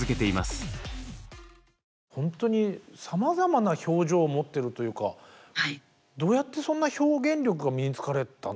ほんとにさまざまな表情を持ってるというかどうやってそんな表現力が身に付かれたんだろう。